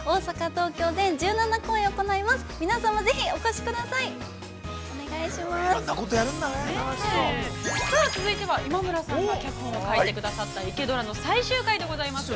◆さあ、続いては今村さんが脚本を書いてくださった「イケドラ」の最終回でございます。